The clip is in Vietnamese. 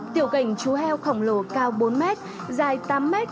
tiểu cành chú heo khổng lồ cao bốn m dài tám m